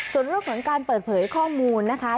ส่วนเรื่องของการเปิดเผยข้อมูลนะคะ